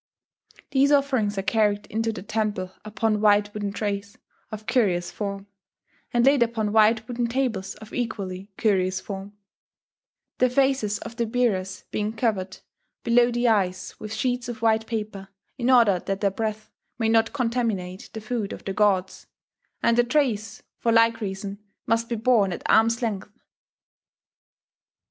These offerings are carried into the temple upon white wooden trays of curious form, and laid upon white wooden tables of equally curious form; the faces of the bearers being covered, below the eyes, with sheets of white paper, in order that their breath may not contaminate the food of the gods; and the trays, for like reason, must be borne at arms' length